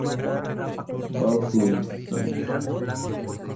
Vogue Films, Inc.